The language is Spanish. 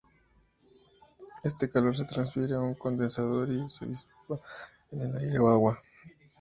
Este calor se transfiere a un condensador y se disipa en aire o agua.